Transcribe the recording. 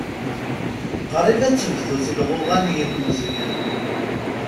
Qrib ad tebdu telɣuɣa n yelmeẓyen.